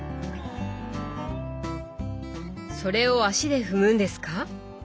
それを足で踏むんですか？